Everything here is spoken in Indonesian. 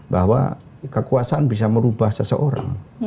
bahwa kekuasaan bisa merubah seseorang